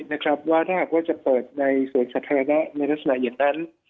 นะครับว่าถ้าหากว่าจะเปิดในสวนสาธารณะในลักษณะอย่างนั้น